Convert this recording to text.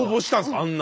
あんな。